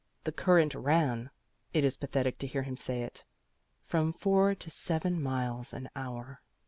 "The current ran" (it is pathetic to hear him say it) "from four to seven miles an hour."